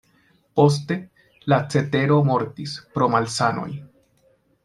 Poste, la cetero mortis pro malsanoj.